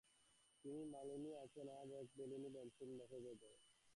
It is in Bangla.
তোমার মালিনী আছেন আজ একাকিনী নেবুকুঞ্জবনে, দেখো গে যাও।